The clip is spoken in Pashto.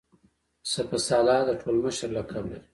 سپه سالار ټول مشر لقب لري.